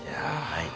はい。